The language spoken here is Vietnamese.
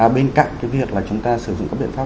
bên cạnh cái việc là chúng ta sử dụng các biện pháp